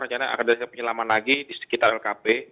rencana akan dirahsi penyelamatan lagi di sekitar lkp